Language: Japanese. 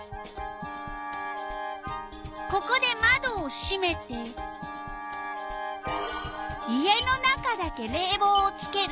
ここでまどをしめて家の中だけれいぼうをつける。